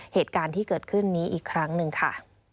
เหตุการณ์ที่เกิดขึ้นนี้อีกครั้งหนึ่งค่ะ